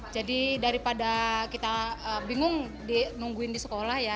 jadi daripada kita bingung di nungguin di sekolah ya